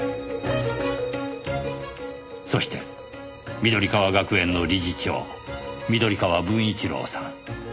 そして緑川学園の理事長緑川文一郎さん。